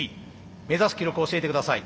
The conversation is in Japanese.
目指す記録を教えて下さい。